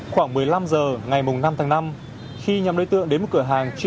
khoảng một mươi năm h ngày năm tháng năm khi nhóm đối tượng đến một cửa hàng